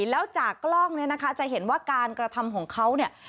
แล้วจากกล้องเนี่ยนะคะจะเห็นว่าการกระทำของเขาเนี่ย